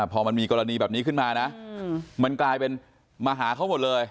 พอมันมีกรณีแบบนี้ขึ้นมานะมันกลายเป็นมาหาเขาหมดเลย